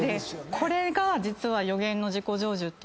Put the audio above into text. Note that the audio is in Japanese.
これが実は。